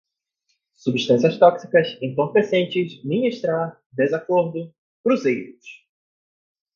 substâncias tóxicas entorpecentes, ministrar, desacordo, cruzeiros